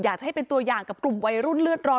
อยากจะให้เป็นตัวอย่างกับกลุ่มวัยรุ่นเลือดร้อน